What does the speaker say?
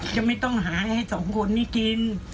จะไม่ต้องหาให้สองคนนี้กิน